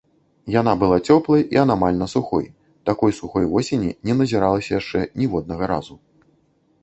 Яна была цёплай і анамальна сухой, такой сухой восені не назіралася яшчэ ніводнага разу.